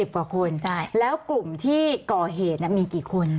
กว่าคนแล้วกลุ่มที่ก่อเหตุมีกี่คน